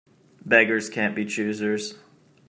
Beggars can't be choosers.